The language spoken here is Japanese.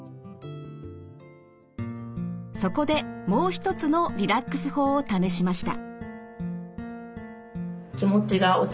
そこでもう一つのリラックス法を試しました。